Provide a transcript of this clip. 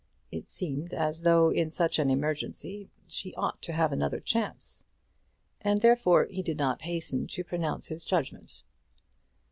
It seemed as though in such an emergency she ought to have another chance; and therefore he did not hasten to pronounce his judgment.